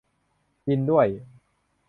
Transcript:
กินด้วย !